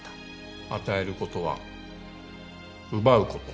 与えることは奪うこと。